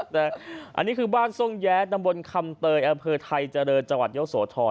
แต่อันนี้คือบ้านทรงแย๊ดำบลคำเตยอไทยเจริญจเยาสวทร